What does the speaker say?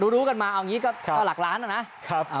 รู้กันมาเอาอย่างนี้ก็หลักล้านนะนะ